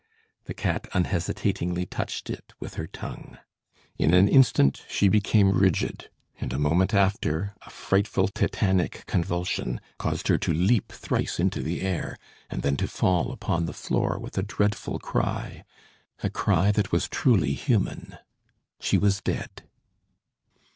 The cat unhesitatingly touched it with her tongue. In an instant she became rigid, and a moment after, a frightful tetanic convulsion caused her to leap thrice into the air, and then to fall upon the floor with a dreadful cry a cry that was truly human. She was dead!